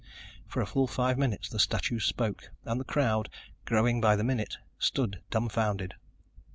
For a full five minutes the statue spoke and the crowd, growing by the minute, stood dumbfounded.